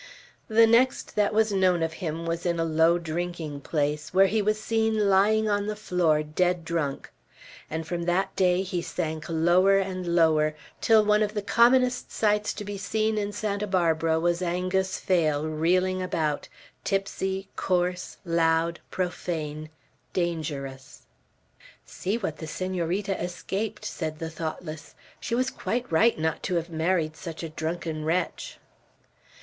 The next that was known of him was in a low drinking place, where he was seen lying on the floor, dead drunk; and from that day he sank lower and lower, till one of the commonest sights to be seen in Santa Barbara was Angus Phail reeling about, tipsy, coarse, loud, profane, dangerous. "See what the Senorita escaped!" said the thoughtless. "She was quite right not to have married such a drunken wretch."